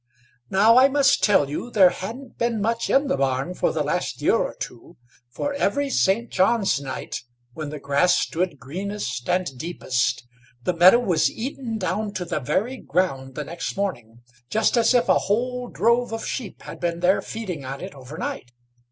Now, I must tell you, there hadn't been much in the barn for the last year or two, for every St. John's night, when the grass stood greenest and deepest, the meadow was eaten down to the very ground the next morning, just as if a whole drove of sheep had been there feeding on it over night.